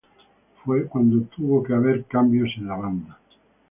Fue cuando tuvieron que haber cambios en la banda.